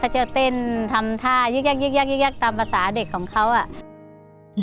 เขาจะเต้นทำท่ายึกยักษ์ยึกยักษ์ยึกยักษ์ตามภาษาเด็กของเขาอ่ะ